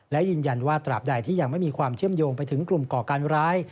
และยืนยันว่าตราบใดที่ยังไม่มีความเชื่อมโยงไปถึงกลุ่มก่อการร้าย